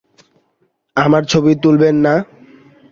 আমার ছবি তুলবেন না?